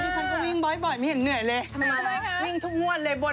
แต่แบบคะที่ฉันก็วิ่งบ่อยไม่เห็นเหนื่อยเลย